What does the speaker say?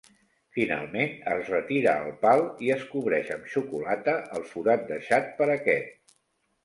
Finalment es retira el pal i es cobreix amb xocolata el forat deixat per aquest.